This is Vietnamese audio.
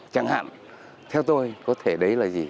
chẳng hạn theo tôi có thể đấy là gì